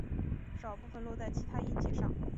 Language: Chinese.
少部分落在其它音节上。